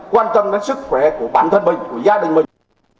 quan tâm đến sức khỏe của bản thân mình của gia đình mình